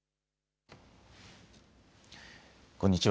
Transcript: こんにちは。